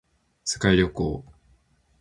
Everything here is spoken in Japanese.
世界旅行